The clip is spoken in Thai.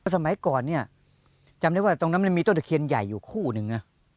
สมัยก่อนเนี่ยจำได้ว่าตรงนั้นมันมีต้นตะเคียนใหญ่อยู่คู่หนึ่งนะ